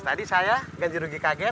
tadi saya ganti rugi kaget